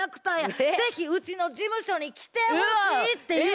是非うちの事務所に来てほしい」っていう。